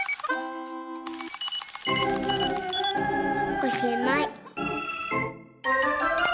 おしまい！